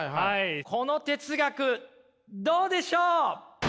この哲学どうでしょう？